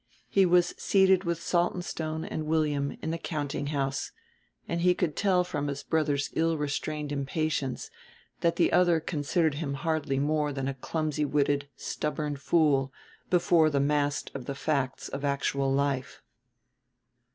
He was seated with Saltonstone and William in the countinghouse and he could tell from his brother's ill restrained impatience that the other considered him hardly more than a clumsy witted, stubborn fool before the mast of the facts of actual life.